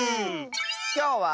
きょうは。